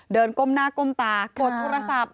ก้มหน้าก้มตากดโทรศัพท์